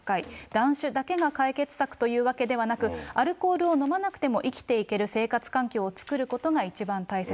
断酒だけが解決策というわけではなく、アルコールを飲まなくても生きていける生活環境を作ることが一番大切。